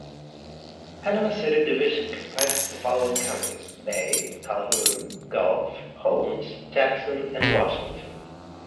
Panama City Division comprises the following counties: Bay, Calhoun, Gulf, Holmes, Jackson, and Washington.